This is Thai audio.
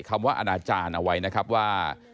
คำว่าอนาจารย์เอาไว้นะครับว่า